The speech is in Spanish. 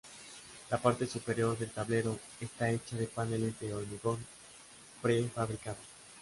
La parte superior del tablero está hecha de paneles de hormigón prefabricado.